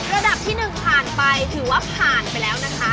ระดับที่๑ผ่านไปถือว่าผ่านไปแล้วนะคะ